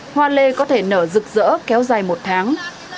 hoa lê có thể nở rực rỡ kéo dài một tháng